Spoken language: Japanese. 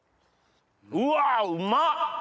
うわうまっ！